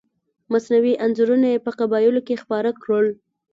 مصنوعي انځورونه یې په قبایلو کې خپاره کړل.